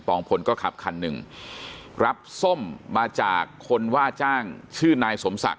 องพลก็ขับคันหนึ่งรับส้มมาจากคนว่าจ้างชื่อนายสมศักดิ